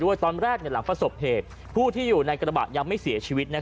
ตอนแรกหลังประสบเหตุผู้ที่อยู่ในกระบะยังไม่เสียชีวิต